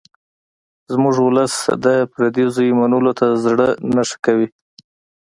زموږ ولس د پردي زوی منلو ته زړه نه ښه کوي